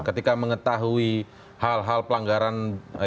ketika mengetahui hal hal pelanggaran yang disebutnya